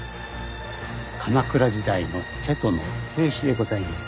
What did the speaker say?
鎌倉時代の瀬戸の瓶子でございます。